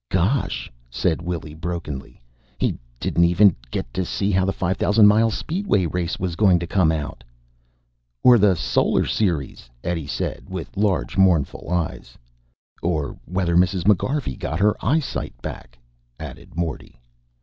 '" "Gosh," said Willy brokenly, "he didn't even get to see how the 5000 mile Speedway Race was going to come out." "Or the Solar Series," Eddie said, with large mournful eyes. "Or whether Mrs. McGarvey got her eyesight back," added Morty.